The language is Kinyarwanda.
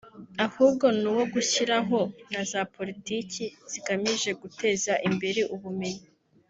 ahubwo ni uwo gushyiraho na za politiki zigamije guteza imbere ubumenyi